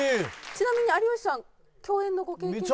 ちなみに有吉さん共演のご経験は？